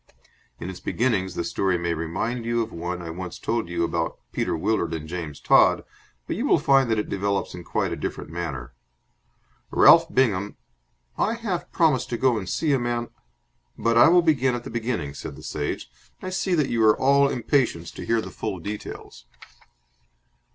In its beginnings the story may remind you of one I once told you about Peter Willard and James Todd, but you will find that it develops in quite a different manner. Ralph Bingham...." "I half promised to go and see a man " "But I will begin at the beginning," said the Sage. "I see that you are all impatience to hear the full details."